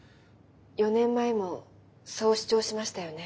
４年前もそう主張しましたよね？